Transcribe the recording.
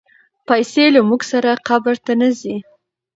پیسې له موږ سره قبر ته نه ځي.